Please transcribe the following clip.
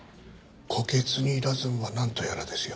虎穴に入らずんばなんとやらですよ。